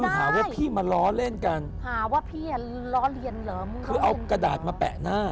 หาว่าพี่มาล้อเล่นกันหาว่าพี่อ่ะล้อเลียนเหรอมือคือเอากระดาษมาแปะหน้า